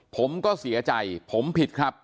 ผมก็เสียใจผมผิดครับ